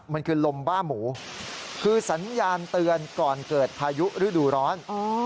มันคือลมบ้าหมูคือสัญญาณเตือนก่อนเกิดพายุฤดูร้อน